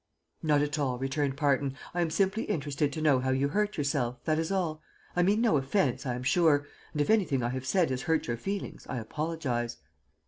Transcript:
"Not at all," returned Parton. "I am simply interested to know how you hurt yourself that is all. I mean no offence, I am sure, and if anything I have said has hurt your feelings I apologize."